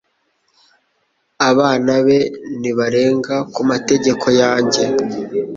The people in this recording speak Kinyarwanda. Abana be nibarenga ku mategeko yanjye